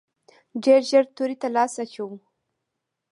ډېر ژر تورې ته لاس اچوو.